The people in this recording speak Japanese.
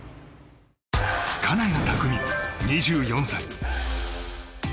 金谷拓実、２４歳。